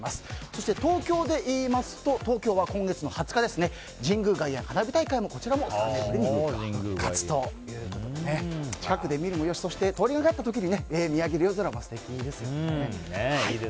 そして、東京でいいますと東京は今月の２０日、神宮外苑の神宮外苑花火大会がこちらも３年ぶりに復活ということで近くで見るもよしそして、通りがかった時に見上げる夜空も素敵ですよね。